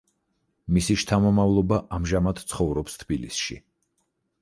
მისი შთამომავლობა ამჟამად ცხოვრობს თბილისში.